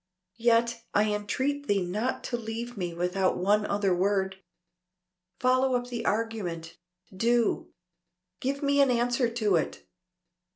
"Yet I entreat thee not to leave me without one other word. Follow up the argument do. Give me an answer to it."